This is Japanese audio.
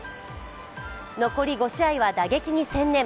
残り５試合は打撃に専念。